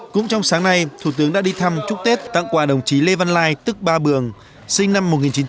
cũng trong sáng nay thủ tướng đã đi thăm chúc tết tặng quà đồng chí lê văn lai tức ba bường sinh năm một nghìn chín trăm tám mươi